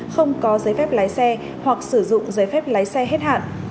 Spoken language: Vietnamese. không có giấy phép lái xe hoặc sử dụng giấy phép lái xe hết hạn